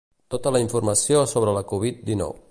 Tota la informació sobre la Covid dinou.